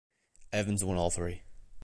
Evans won all three.